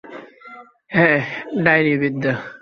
হ্যাঁ, ডাইনিবিদ্যা।